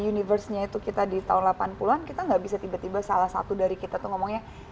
universe nya itu kita di tahun delapan puluh an kita gak bisa tiba tiba salah satu dari kita tuh ngomongnya